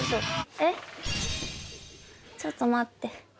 えっ、ちょっと待って。